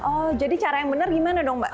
oh jadi cara yang benar bagaimana mbak